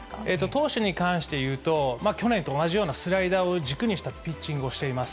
投手に関して言うと、去年と同じような、スライダーを軸にしたピッチングをしています。